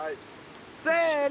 せの。